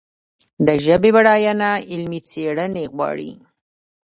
د ژبې بډاینه علمي څېړنې غواړي.